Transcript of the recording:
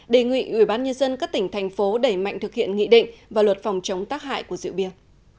đề nghị ubnd các tỉnh thành phố đẩy mạnh thực hiện nghị định và luật phòng chống tác hại của rượu bia